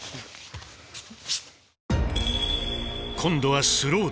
今度はスローで。